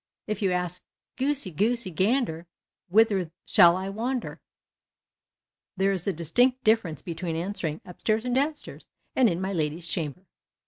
If you ask, " Goosey, goosey, gander, whither sluiil I wander ?" there is a distinct difference between answering, " Upstairs and downstairs," and " in my lady's chamber."